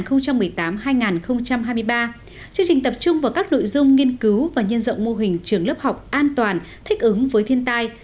chương trình tập trung vào các nội dung nghiên cứu và nhân rộng mô hình trường lớp học an toàn thích ứng với thiên tai